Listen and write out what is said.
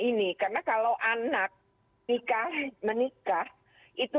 ini karena kalau anak nikah menikah itu